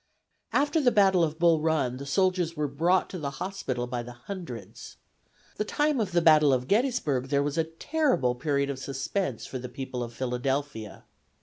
After the battle of Bull Run the soldiers were brought to the hospitals by the hundreds. The time of the battle of Gettysburg there was a terrible period of suspense for the people of Philadelphia.